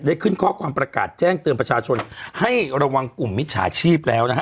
ขึ้นข้อความประกาศแจ้งเตือนประชาชนให้ระวังกลุ่มมิจฉาชีพแล้วนะฮะ